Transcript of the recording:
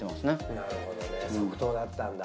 なるほどね即答だったんだ。